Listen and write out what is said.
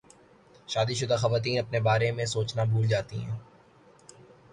شادی شدہ خواتین اپنے بارے میں سوچنا بھول جاتی ہیں